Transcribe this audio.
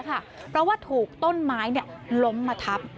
เพราะว่าถูกต้นไม้ล้มมาทับ